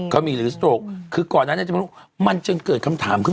ก็มีหรือโสโตรกคือก่อนนั้นก็เลยเรียกว่ามันจนเกิดคำถาม